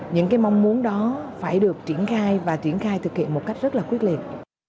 những cái mong muốn đó phải được triển khai và triển khai thực hiện một cách rất là quyết liệt